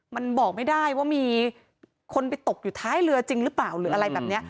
มันบอกไม่ได้ว่ามีคนไปตกอยู่ท้ายเรือจริงหรือเปล่าหรืออะไรแบบนี้